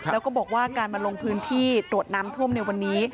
แล้วก็บอกว่าการมาลงพื้นที่ตรวจน้ำท่วมในวันนี้